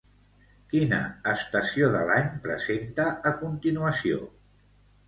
Quina estació de l'any presenta a continuació?